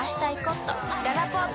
ららぽーと